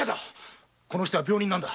この人は病人だ。